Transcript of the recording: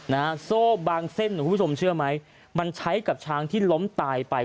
โซ่บางเส้นคุณผู้ชมเชื่อไหมมันใช้กับช้างที่ล้มตายไป